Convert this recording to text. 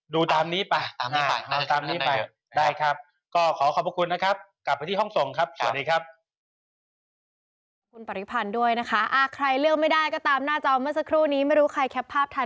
ดูตามนี้ไปตามนี้ไปตามนี้ไปได้ครับ